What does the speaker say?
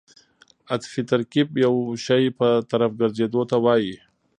عطفي ترکیب د یو شي په طرف ګرځېدو ته وایي.